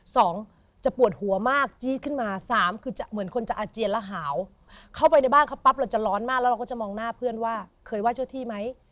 สองจะปวดหัวมากจี๊ดขึ้นมาสามคือจะเหมือนคนจะอาเจียนและหาวเข้าไปในบ้านเขาปั๊บเราจะร้อนมากแล้วเราก็จะมองหน้าเพื่อนว่าเคยไห้เจ้าที่ไหม